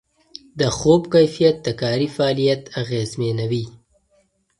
د خوب کیفیت د کاري فعالیت اغېزمنوي.